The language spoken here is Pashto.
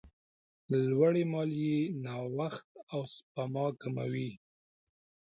لوړې مالیې نوښت او سپما کموي.